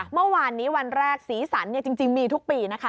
เมื่อวานนี้วันแรกสีสันจริงมีทุกปีนะคะ